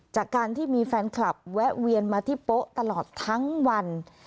จากการที่มีแฟนคลับแวะเวียนมาที่โป๊ะตลอดทั้งวัน